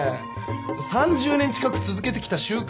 ３０年近く続けてきた習慣